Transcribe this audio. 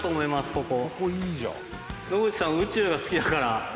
ここ。